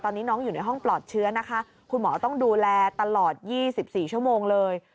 ต้องปลอดเชื้อนะคะคุณหมอต้องดูแลตลอด๒๔ชั่วโมงเลย